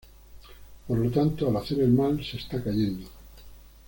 Por lo tanto, al hacer el mal se está cayendo.